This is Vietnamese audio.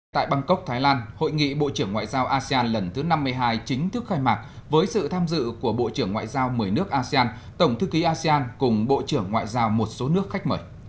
tại bangkok thái lan hội nghị bộ trưởng ngoại giao asean lần thứ năm mươi hai chính thức khai mạc với sự tham dự của bộ trưởng ngoại giao một mươi nước asean tổng thư ký asean cùng bộ trưởng ngoại giao một số nước khách mời